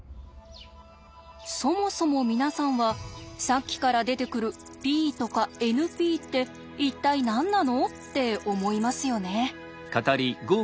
そもそも皆さんはさっきから出てくるＰとかＮＰって一体何なの？って思いますよね。